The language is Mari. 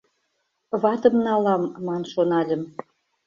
«Ватым налам» ман шональым -